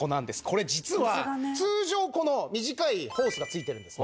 これ実は通常この短いホースが付いてるんです。